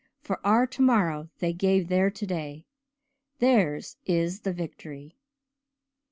'For our tomorrow they gave their today' theirs is the victory!"